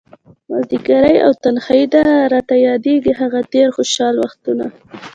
مازديګری او تنهائي ده، راته ياديږي هغه تير خوشحال وختونه